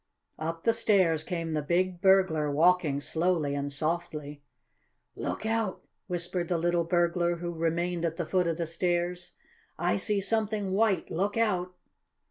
Up the stairs came the big burglar walking slowly and softly. "Look out!" whispered the little burglar, who remained at the foot of the stairs. "I see something white! Look out!"